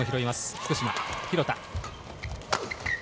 福島、廣田。